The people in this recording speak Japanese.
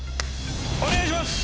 お願いします！